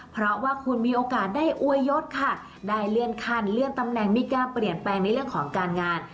เพราะว่าคุณมีโอกาสได้อวยยศค่ะได้เลื่อนขั้นเลื่อนตำแหน่งมีการเปลี่ยนแปลงในเรื่องของการงาน